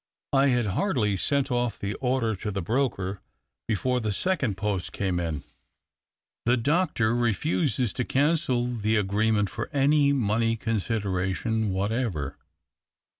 I had hardly sent off the order to the broker, before 232 THE OCTAVE OF CLAUDIUS. the second post came in. The doctor refuses to cancel the agreement for any money con sideration whatever.